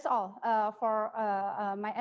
saya pikir itu saja